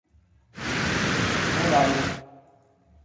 Mulai.